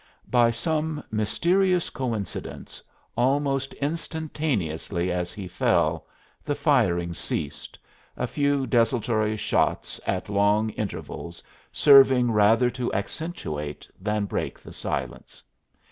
By some mysterious coincidence, almost instantaneously as he fell, the firing ceased, a few desultory shots at long intervals serving rather to accentuate than break the silence.